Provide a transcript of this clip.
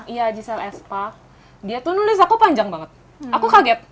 iya gisel aspark dia tuh nulis aku panjang banget aku kaget